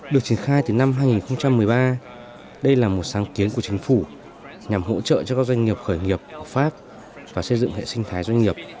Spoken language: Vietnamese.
được triển khai từ năm hai nghìn một mươi ba đây là một sáng kiến của chính phủ nhằm hỗ trợ cho các doanh nghiệp khởi nghiệp của pháp và xây dựng hệ sinh thái doanh nghiệp